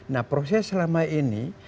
nah proses selama ini